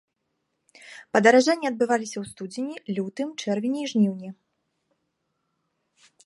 Падаражанні адбываліся ў студзені, лютым, чэрвені і жніўні.